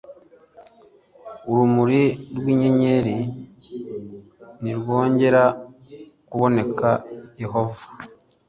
urumuri rw inyenyeri ntirwongera kuboneka yehova